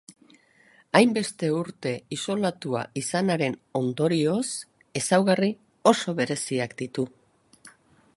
Hainbeste urte isolatua izanaren ondorioz ezaugarri oso bereziak ditu.